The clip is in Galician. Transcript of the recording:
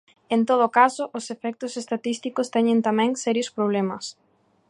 En todo caso, os efectos estatísticos teñen tamén serios problemas.